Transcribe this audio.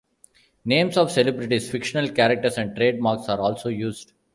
Names of celebrities, fictional characters, and trademarks are also used.